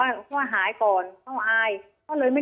ยายก็ยังแอบไปขายขนมแล้วก็ไปถามเพื่อนบ้านว่าเห็นไหมอะไรยังไง